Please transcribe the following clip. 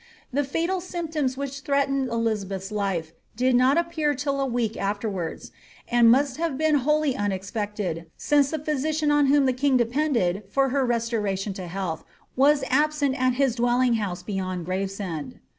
The fatal symptoms which threatened Elizabeth's life did not appear till a week afterwards, and must have been wholly unexpected, since the physician on whom the king de pended for her restoration to health was absent at his dwelling house beyond Gravesend.